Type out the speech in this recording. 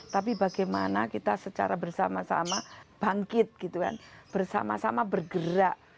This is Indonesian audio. tapi bagaimana kita secara bersama sama bangkit gitu kan bersama sama bergerak